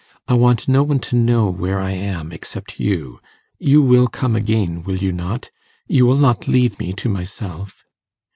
I want no one to know where I am, except you. You will come again, will you not? you will not leave me to myself?